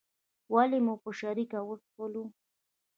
ولې مو په شریکه وڅښلو.